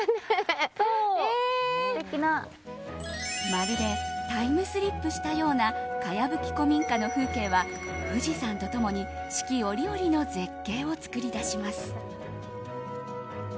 まるでタイムスリップしたようなかやぶき古民家の風景は富士山と共に四季折々の絶景を作り出します。